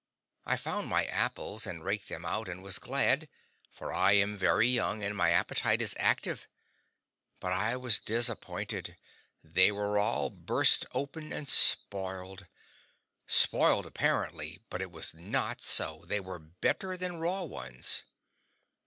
I found my apples, and raked them out, and was glad; for I am very young and my appetite is active. But I was disappointed; they were all burst open and spoiled. Spoiled apparently; but it was not so; they were better than raw ones.